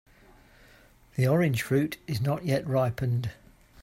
The orange fruit is not yet ripened.